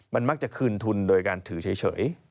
มันมักจะคืนทุนโดยการถือเฉย